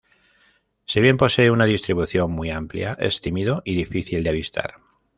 Si bien posee una distribución muy amplia es tímido y difícil de avistar.